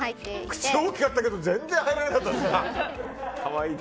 口大きかったけど全然入らなかったですね。